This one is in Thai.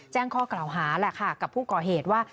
แจ้งข้อกล่าวหาแหละค่ะกับผู้ก่อเหตุว่า